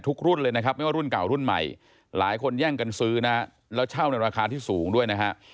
รุ่นเลยนะครับไม่ว่ารุ่นเก่ารุ่นใหม่หลายคนแย่งกันซื้อนะแล้วเช่าในราคาที่สูงด้วยนะฮะ